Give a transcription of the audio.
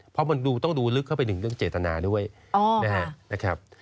เพราะมันดูต้องดูลึกเข้าไปหนึ่งเรื่องเจตนาด้วยนะครับ